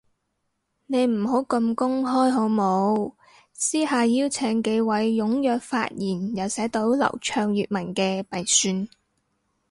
你唔好咁公開好冇，私下邀請幾位踴躍發言又寫到流暢粵文嘅咪算